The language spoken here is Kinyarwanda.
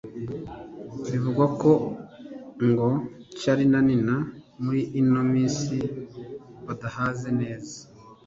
bivugwa ko ngo charly na nina muri ino minsi badahaze neza